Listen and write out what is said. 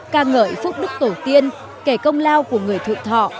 ca ngợi phúc đức tổ tiên kể công lao của người thượng thọ